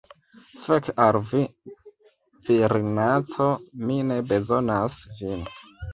Fek al vi, virinaĉo! Mi ne bezonas vin.